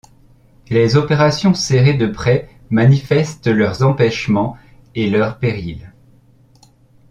Les opérations serrées de près manifestent leurs empêchements et leurs périls.